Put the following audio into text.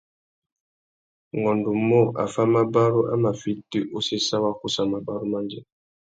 Ungôndumô, affámabarú a mà fiti usséssa wa kussa mabarú mandjê.